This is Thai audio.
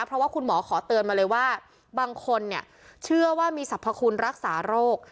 เพราะว่าคุณหมอขอเตือนมาเลยว่าบางคนเนี่ยเชื่อว่ามีสรรพคุณรักษาโรค